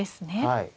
はい。